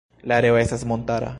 La areo estas montara.